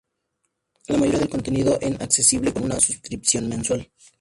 La mayoría del contenido es accesible con una suscripción mensual.